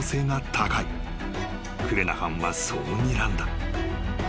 ［クレナハンはそうにらんだ］